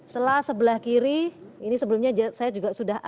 selas sebelah kiri ini sebelumnya saya juga sudah